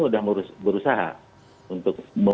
sudah berusaha untuk